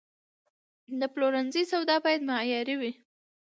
د پلورنځي سودا باید معیاري وي.